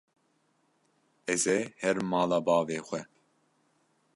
Ez ê herim mala bavê xwe.